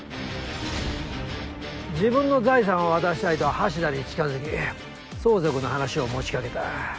自分の財産を渡したいと橋田に近づき相続の話を持ちかけた。